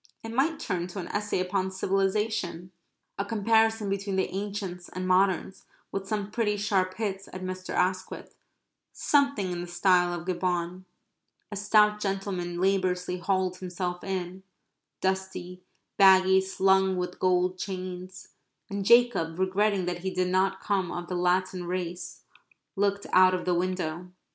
It might turn to an essay upon civilization. A comparison between the ancients and moderns, with some pretty sharp hits at Mr. Asquith something in the style of Gibbon. A stout gentleman laboriously hauled himself in, dusty, baggy, slung with gold chains, and Jacob, regretting that he did not come of the Latin race, looked out of the window.